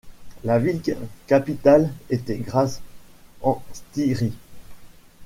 La ville capitale était Graz en Styrie.